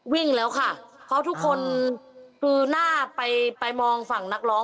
วิ่งแล้วค่ะเพราะทุกคนดูหน้าไปไปมองฝั่งนักร้อง